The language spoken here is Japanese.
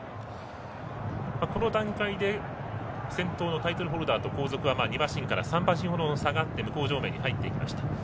この段階で先頭のタイトルホルダーと後続は２馬身から３馬身ほど離れて向正面に入っていきました。